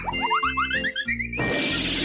โอ้โฮ